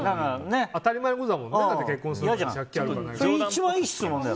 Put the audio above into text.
当たり前のことだもんね